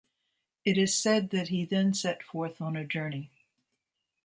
It is said that he then set forth on a journey.